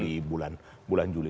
di bulan juli